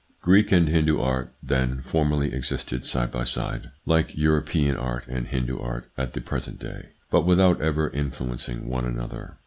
Greek and Hindu art, then, formerly existed side by side, like European art and Hindu art at the present day, but without ever influencing one another.